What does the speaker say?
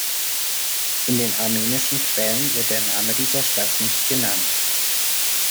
In den armenischen Quellen wird der Name dieser Stadt nicht genannt.